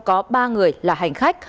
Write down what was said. có ba người là hành khách